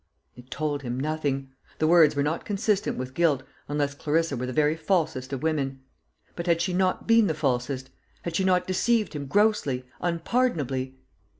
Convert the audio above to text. It told him nothing. The words were not consistent with guilt, unless Clarissa were the very falsest of women. But had she not been the falsest? Had she not deceived him grossly, unpardonably?